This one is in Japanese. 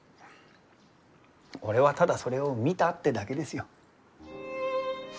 俺はただそれを見たってだけですよ。